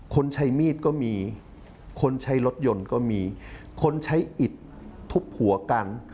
คนใช้มีดก็มีคนใช้รถยนต์ก็มีคนใช้อิดทุบหัวกัน